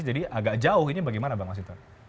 jadi agak jauh ini bagaimana bang mas yuta